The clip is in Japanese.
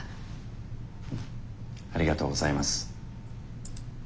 ありがとうございます。